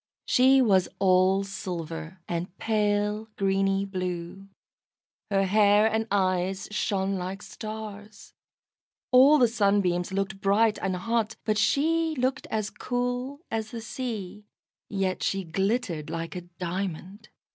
She was all silver, and pale greeny blue. Her hair and eyes shone like stars. All the Sunbeams looked bright, and hot, but she looked as cool as the sea; yet she glittered like a diamond.